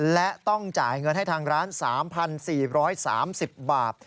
และต้องจ่ายเงินให้ทางร้าน๓๔๓๐บาท